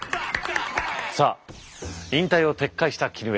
さあ引退を撤回した絹枝